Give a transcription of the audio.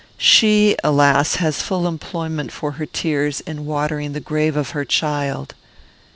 She, alas! has full employment for her tears in watering the grave of her child."